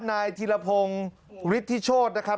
นายธิรพงศ์ฤทธิโชธนะครับ